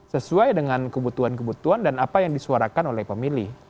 sesuai dengan kebutuhan kebutuhan dan apa yang disuarakan oleh pemilih